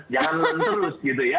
jangan non terus gitu ya